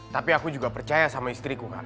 tapi aku juga percaya sama istri kawan